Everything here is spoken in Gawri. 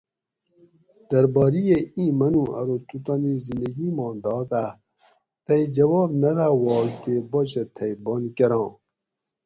درباریہ اِیں منو ارو تو تانی زندگی ما دات آ؟ تئی جواب نہ داواگ تے باچہ تھئی بند کۤراں